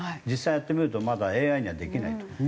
実際にやってみるとまだＡＩにはできないと。